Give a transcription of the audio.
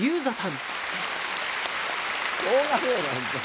しょうがねえなホントに。